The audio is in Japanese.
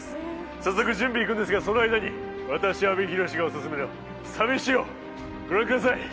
早速準備に行くんですがその間に私、阿部寛がおすすめのサ飯をご覧ください。